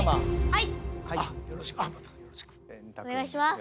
はい。